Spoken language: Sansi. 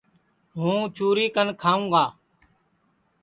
ہوں چُری کن کھاوں گا